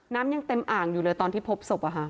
น้ำยังเต็มอ่างอยู่เลยตอนที่พบศพ